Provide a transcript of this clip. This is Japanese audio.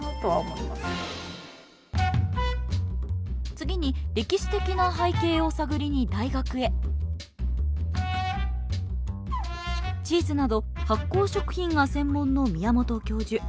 次に歴史的な背景を探りに大学へチーズなど発酵食品が専門の宮本教授。